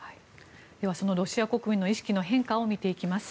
では、そのロシア国民の意識の変化を見ていきます。